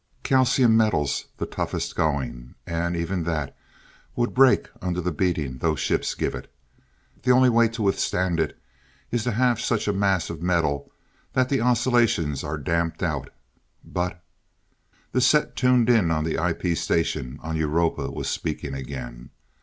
"Calcium metal's the toughest going and even that would break under the beating those ships give it. The only way to withstand it is to have such a mass of metal that the oscillations are damped out. But " The set tuned in on the IP station on Europa was speaking again.